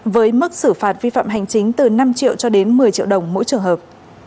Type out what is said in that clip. với mức xử phạt vi phạm hành chính từ năm triệu cho đến một mươi triệu đồng mỗi trường hợp